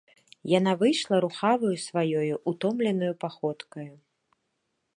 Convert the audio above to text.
Яна выйшла рухаваю сваёю ўтомленаю паходкаю.